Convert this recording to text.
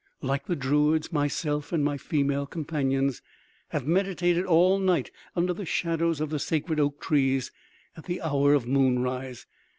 "Like the druids, myself and my female companions have meditated all night under the shadows of the sacred oak trees at the hour of moon rise.